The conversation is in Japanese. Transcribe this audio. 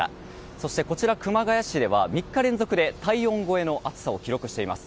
そして、こちら熊谷市では３日連続で体温超えの暑さを記録しています。